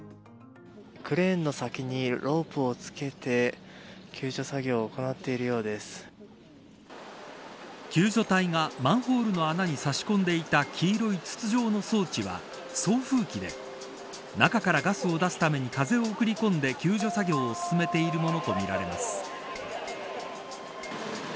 クレーンの先にロープを付けて救助隊がマンホールの穴に差し込んでいた黄色い筒状の装置は送風機で、中からガスを出すために、風を送り込んで救助作業を進めているものとみられます。